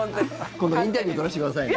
今度、インタビュー撮らせてくださいね。